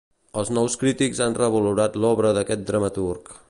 Els nous crítics han revalorat l'obra d'aquest dramaturg.